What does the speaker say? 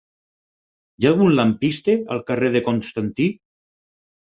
Hi ha algun lampista al carrer de Constantí?